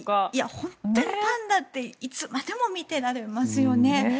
本当にパンダっていつまでも見ていられますよね。